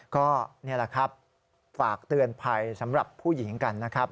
ก็นี่แหละครับฝากเตือนภัยสำหรับผู้หญิงกันนะครับ